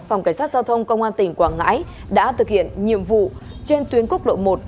phòng cảnh sát giao thông công an tỉnh quảng ngãi đã thực hiện nhiệm vụ trên tuyến quốc lộ một